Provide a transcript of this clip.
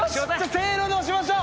せーので押しましょう。